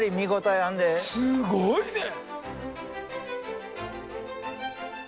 すごいね。